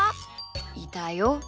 いたよ。